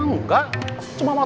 enggak cuma mau tau aja